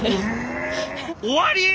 終わり？